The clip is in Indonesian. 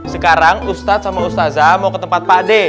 sekarang ustadz sama ustazah mau ke tempat pak d